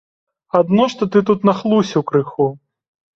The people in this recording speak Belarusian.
Адно што ты тут нахлусіў крыху.